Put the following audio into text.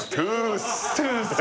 トゥース！